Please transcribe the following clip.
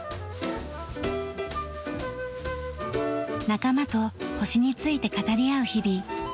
仲間と星について語り合う日々。